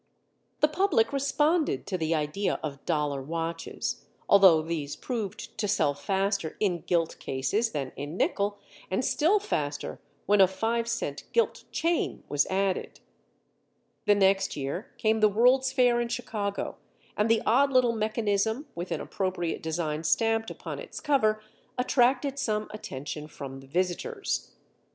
The public responded to the idea of dollar watches, although these proved to sell faster in gilt cases than in nickel, and still faster when a five cent gilt chain was added. The next year, came the World's Fair in Chicago and the odd little mechanism with an appropriate design stamped upon its cover attracted some attention from the visitors.